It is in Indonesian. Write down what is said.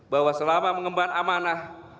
bahwa selama mengembang amanah